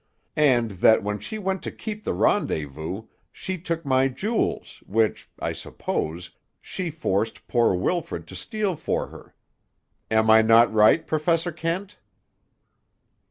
And that, when she went to keep the rendezvous, she took my jewels, which, I suppose, she forced poor Wilfrid to steal for her. Am I not right, Professor Kent?"